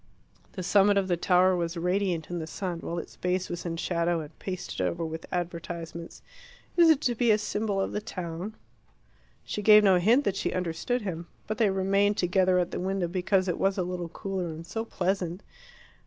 The summit of the tower was radiant in the sun, while its base was in shadow and pasted over with advertisements. "Is it to be a symbol of the town?" She gave no hint that she understood him. But they remained together at the window because it was a little cooler and so pleasant.